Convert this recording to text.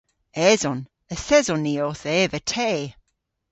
Eson. Yth eson ni owth eva te.